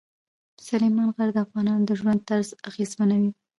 سلیمان غر د افغانانو د ژوند طرز اغېزمنوي.